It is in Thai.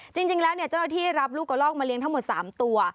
จริงแล้วเจ้าหน้าที่รับลูกกระลอกมาเลี้ยทั้งหมด๓ตัว